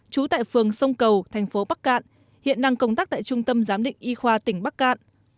trú tại phường sông cầu thành phố bắc cạn hiện đang công tác tại trung tâm giám định y khoa tỉnh bắc cạn